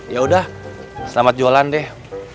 yaudah selamat jualan deh